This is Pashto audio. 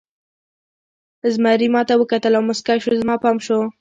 زمري ما ته وکتل او موسکی شو، زما پام شو.